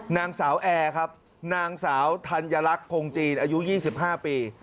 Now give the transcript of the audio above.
นางสาวแอร์ครับนางสาวธัญลักษณ์พงจีนอายุ๒๕ปี